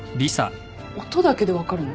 音だけで分かるの？